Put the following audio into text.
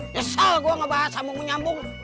desel gue ngebahas sama mu nyambung